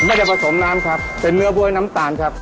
จะผสมน้ำครับเป็นเนื้อบ๊วยน้ำตาลครับ